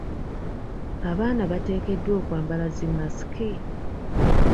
Abaana bateekeddwa okwambala zi masiki?